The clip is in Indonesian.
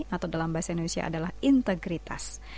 atau dalam bahasa indonesia adalah integritas